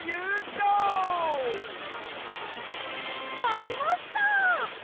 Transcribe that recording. やりました！